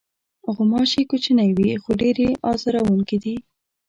غوماشې کوچنۍ وي، خو ډېرې آزاروونکې دي.